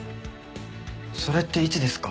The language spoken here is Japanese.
それっていつですか？